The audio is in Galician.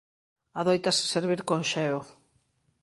Adóitase servir con xeo.